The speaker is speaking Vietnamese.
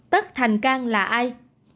tất thành cang là ai